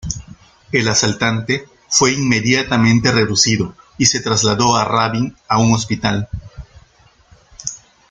El asaltante fue inmediatamente reducido y se trasladó a Rabin a un hospital.